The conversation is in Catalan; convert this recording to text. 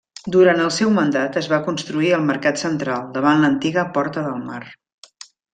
Durant el seu mandat es va construir el Mercat Central davant l'antiga Porta del Mar.